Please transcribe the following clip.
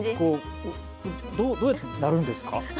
どうやってやるんですか。